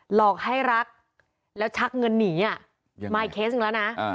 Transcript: หลอกให้รักแล้วชักเงินหนีอ่ะยังไงมาอีกเคสอีกแล้วน่ะอ่า